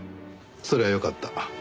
そりゃよかった。